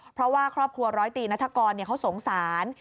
เพราะว่าครอบครัวร้อยตีนัฐกรเขาสงสาร